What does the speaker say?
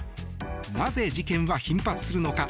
なぜ事件は頻発するのか。